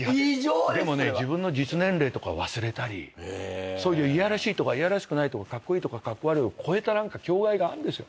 でもね自分の実年齢とか忘れたりそういういやらしいとかいやらしくないとかカッコイイとかカッコ悪いを超えた何かあるんですよ。